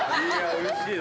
うれしいな。